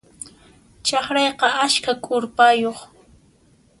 Chakrayqa askha k'urpayuq.